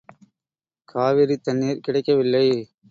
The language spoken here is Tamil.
காவிரித் தண்ணீர் கிடைக்கவில்லை!